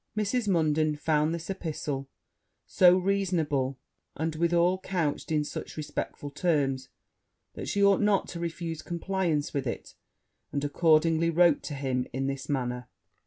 Mrs. Munden found this epistle so reasonable, and withal couched in such respectful terms, that she ought not to refuse compliance with it; and, accordingly, wrote to him in this manner.